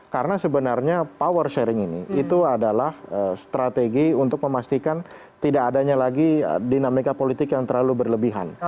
karena sebenarnya power sharing ini itu adalah strategi untuk memastikan tidak adanya lagi dinamika politik yang terlalu berlebihan